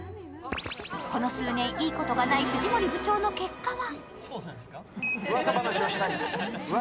この数年いいことがない藤森部長の結果は？